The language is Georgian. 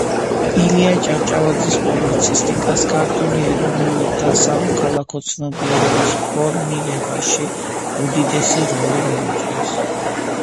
ილია ჭავჭავაძის პუბლიცისტიკას ქართული ეროვნული და სამოქალაქო ცნობიერების ფორმირებაში უდიდესი როლი მიუძღვის.